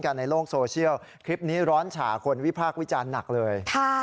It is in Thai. ในโลกโซเชียลคลิปนี้ร้อนฉาคนวิพากษ์วิจารณ์หนักเลย